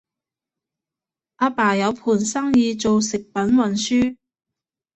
阿爸有盤生意做食品運輸